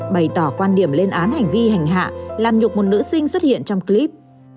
bày tỏ quan điểm lên án hành vi hành hạ làm nhục một nữ sinh xuất hiện trong clip